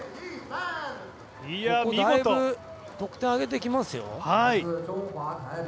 だいぶ得点上げてきますよ。